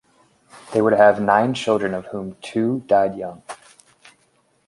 They were to have nine children of whom two died young.